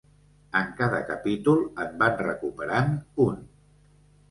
En cada capítol en van recuperant un.